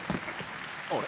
あれ？